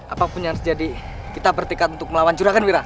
apapun yang terjadi kita bertikad untuk melawan juragamira